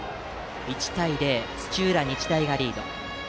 １対０で土浦日大がリード。